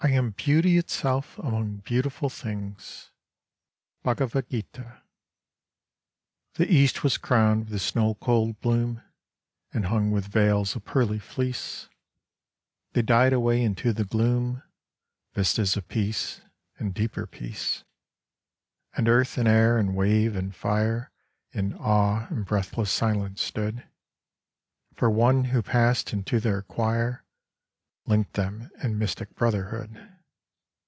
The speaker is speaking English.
am Beauty itself among beautiful things BHAGAVAD GITA THE East was crowned with snow cold bloom And hung with veils of pearly fleece : They died away into the gloom, Vistas of peace and deeper peace. And earth and air and wave and fire 1 n awe and breathless silence stood ; For One who passed into their choir Linked them in mystic brotherhood.